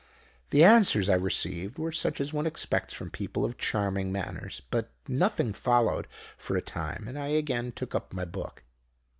The answers I received were such as one expects from people of charming manners. But nothing followed, for a time, and I again took up my book.